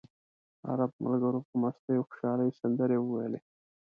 عرب ملګرو په مستۍ او خوشالۍ سندرې وویلې.